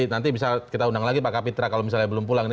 nanti bisa kita undang lagi pak kapitra kalau misalnya belum pulang